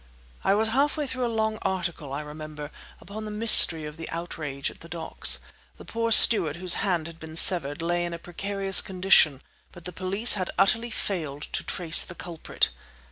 I was half way through a long article, I remember, upon the mystery of the outrage at the docks. The poor steward whose hand had been severed lay in a precarious condition, but the police had utterly failed to trace the culprit.